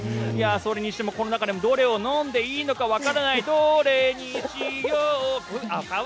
それにしてもこの中でもどれを飲んでいいかわからない、どれにしようかな。